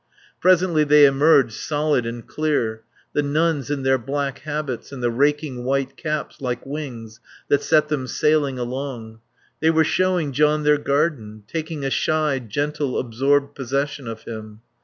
Presently they emerged, solid and clear; the nuns in their black habits and the raking white caps like wings that set them sailing along. They were showing John their garden, taking a shy, gentle, absorbed possession of him.